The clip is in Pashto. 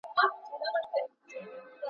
لګښتونه مې یوازې په ضروري شیانو وکړل.